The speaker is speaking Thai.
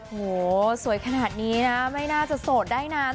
โหสวยขนาดนี้นะไม่น่าจะโสดได้นาน